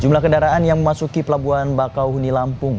jumlah kendaraan yang memasuki pelabuhan bakau huni lampung